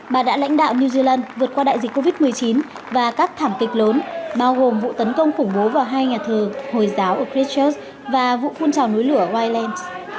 bà đã lãnh đạo new zealand vượt qua đại dịch covid một mươi chín và các thảm kịch lớn bao gồm vụ tấn công khủng bố vào hai nhà thờ hồi giáo ở christchurz và vụ phun trào núi lửa ireland